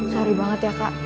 sorry banget ya kak